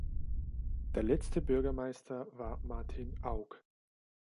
Der letzte Bürgermeister war Martin Aug.